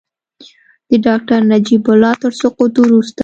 د ډاکټر نجیب الله تر سقوط وروسته.